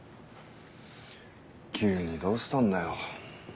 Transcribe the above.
急にどうしたんだよ。